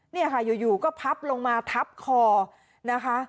เนี่ยค่ะอยู่ก็พับลงมาทับคอนะคะ